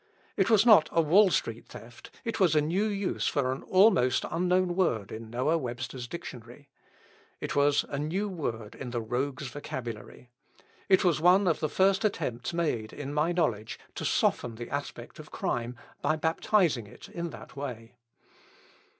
It was not a Wall Street theft; it was a new use for an almost unknown word in Noah Webster's dictionary. It was a new word in the rogue's vocabulary. It was one of the first attempts made, in my knowledge, to soften the aspect of crime by baptising it in that way.